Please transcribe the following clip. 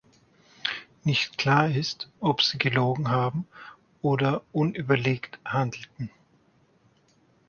Nicht klar ist, ob sie gelogen haben oder unüberlegt handelten.